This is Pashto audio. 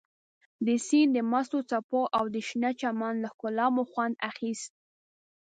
د سیند د مستو څپو او د شنه چمن له ښکلا مو خوند اخیست.